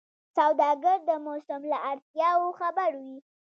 سوداګر د موسم له اړتیاوو خبر وي.